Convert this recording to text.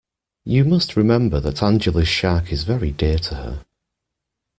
You must remember that Angela's shark is very dear to her.